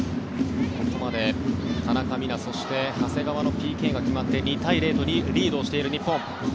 ここまで田中美南そして長谷川のＰＫが決まって２対０とリードしている日本。